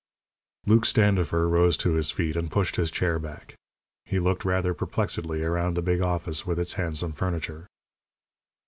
Luke Standifer rose to his feet, and pushed his chair back. He looked rather perplexedly around the big office, with its handsome furniture.